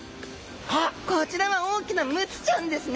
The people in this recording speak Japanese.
あっこちらは大きなムツちゃんですね！